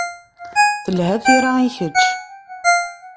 Telha tira i kečč.